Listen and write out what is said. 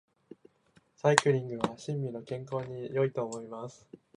サイクリングは心身の健康に良いと思います。